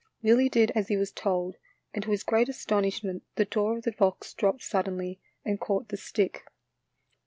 Willie did as he was told, and to his great astonishment the door of the box dropped suddenly and caught the stick.